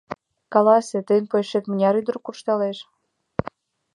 Каласе, тыйын почешет мыняр ӱдыр куржталыштеш?